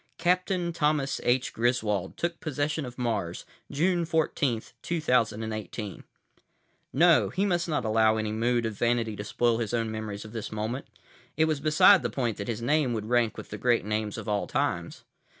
"Captain Thomas H. Griswold took possession of Mars, June 14, 2018." No, he must not allow any mood of vanity to spoil his own memories of this moment. It was beside the point that his name would rank with the great names of all times.